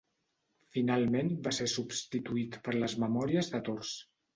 Finalment va ser substituït per les memòries de tors.